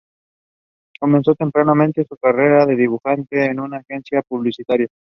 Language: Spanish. Comenzó tempranamente su carrera de dibujante en una agencia publicitaria.